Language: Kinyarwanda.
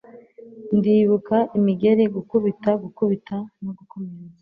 ndibuka imigeri, gukubita, gukubita, no gukomeretsa